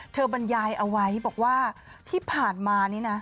บรรยายเอาไว้บอกว่าที่ผ่านมานี่นะ